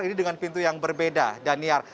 ini dengan pintu yang berbeda dan niat